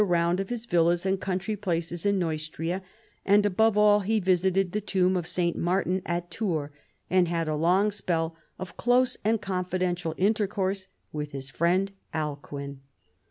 round of his villas and country palaces in Neustria ; and above all he visited the tomb of St. Martin at Tours, and bad a long spell of close and confidential intercourse with his friend Alcuin.